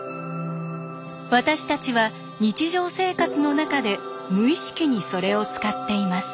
私たちは日常生活の中で無意識にそれを使っています。